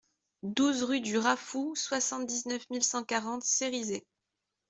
douze rue du Raffou, soixante-dix-neuf mille cent quarante Cerizay